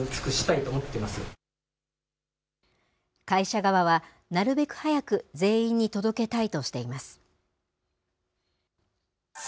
会社側は、なるべく早く全員に届けたいとしています。